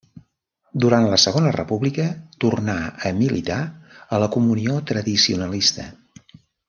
Durant la Segona República tornà a militar a la Comunió Tradicionalista.